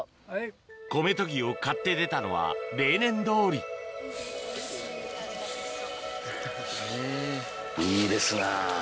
米とぎを買って出たのは例年通りいいですな。